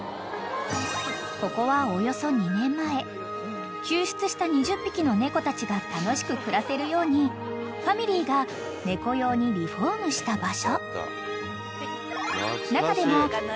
［ここはおよそ２年前救出した２０匹の猫たちが楽しく暮らせるようにファミリーが猫用にリフォームした場所］